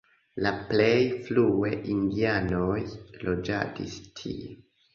La plej frue indianoj loĝadis tie.